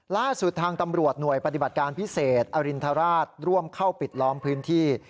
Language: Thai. ล่าสุดทางตำรวจหน่วยปฏิบัติการพิเศษอรินทราชร่วมเข้าปิดล้อมพื้นที่